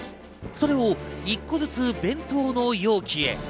それを１個ずつ弁当の容器へ。